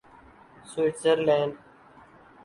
Switzer land